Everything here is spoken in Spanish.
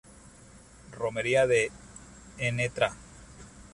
Romería de Ntra.